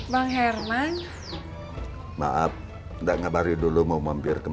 bukan seseorang yang semaleman bandeah nya terlalu takut diwetakan